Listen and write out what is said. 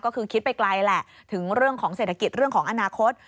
ก็คือคิดไปไกลแหละถึงเรื่องของเศรษฐกิจเรื่องของอนาคต